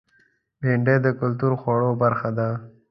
بېنډۍ د کلتور خوړو برخه ده